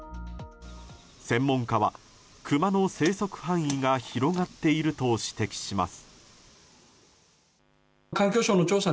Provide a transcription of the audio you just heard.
専門家はクマの生息範囲が広がっていると指摘します。